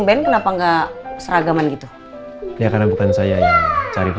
sekarang tumben kenapa enggak